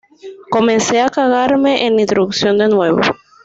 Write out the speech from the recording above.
Comencé a cagarme en la Introducción de nuevo